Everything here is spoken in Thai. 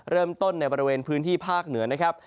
เริ่มต้นในบริเวณพื้นที่ภาคเหนือนะครับ